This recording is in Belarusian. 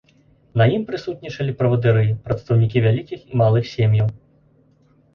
На ім прысутнічалі правадыры, прадстаўнікі вялікіх і малых сем'яў.